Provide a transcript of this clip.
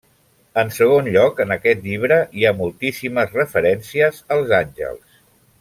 En segon lloc, en aquest llibre hi ha moltíssimes referències als àngels.